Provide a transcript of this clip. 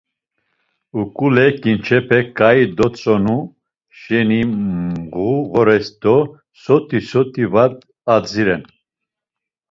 Uǩule ǩinçepek ǩai dotsonu şeni Mğu gores do sotti soti var adzirez.